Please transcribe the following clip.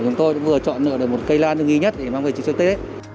chúng tôi đã vừa chọn được một cây lan ưu nghi nhất để mang về trường tết